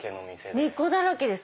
猫だらけです